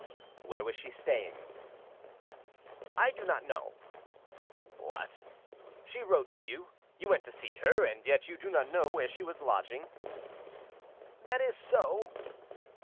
"Where was she staying?" "I do not know." "What! she wrote to you, you went to see her, and yet you do not know where she was lodging?" "That is so."